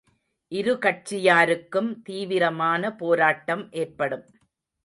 இருகட்சியாருக்கும் தீவிரமான போராட்டம் ஏற்படும்.